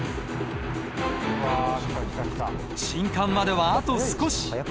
新館まではあと少し。